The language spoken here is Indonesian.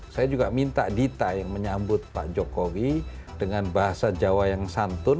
saya juga minta dita yang menyambut pak jokowi dengan bahasa jawa yang santun